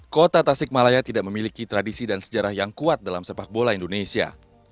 kota tasikmalaya tidak memiliki tradisi dan sejarah yang kuat dalam sepak bola indonesia